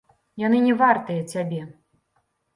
Яны не вартыя цябе.